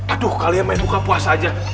aduh kalian main buka puasa aja